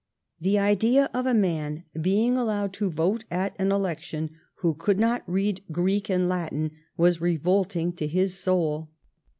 The idea of a man being allowed to vote at an election who could not read Greek and Latin was revolting to his soul.